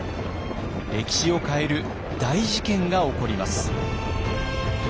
歴史を変える大事件が起こります。